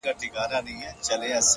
هره ورځ یو نوی درس لري